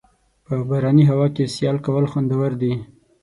په باراني هوا کې سیل کول خوندور دي.